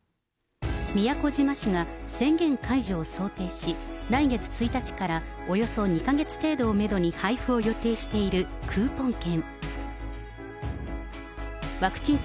宮古島市が宣言解除を想定し、来月１日からおよそ２か月程度をメドに配布を予定しているクーポン券。